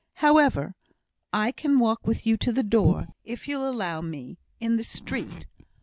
However, I can walk with you to the door, and wait for you (if you'll allow me) in the street.